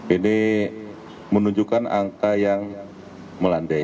ini menunjukkan angka yang melandai